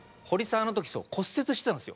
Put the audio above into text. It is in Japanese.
あの時骨折してたんですよ。